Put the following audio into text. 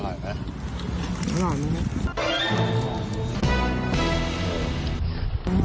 อร่อยนิดหนึ่ง